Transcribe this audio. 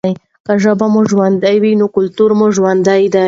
که ژبه مو ژوندۍ وي نو کلتور مو ژوندی دی.